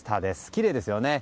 きれいですよね。